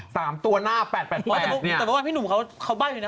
แต่เมื่อวานพี่หนุ่มเขาใบ้หนึ่งนะ